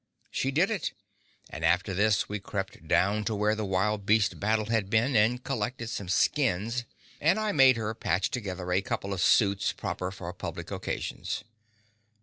She did it, and after this we crept down to where the wild beast battle had been, and collected some skins, and I made her patch together a couple of suits proper for public occasions.